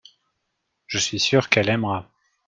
Je suis sûr qu’elle aimera.